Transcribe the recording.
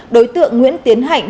đối tượng nguyễn tiến hạnh